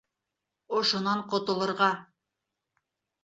Ошонан ҡотолорға!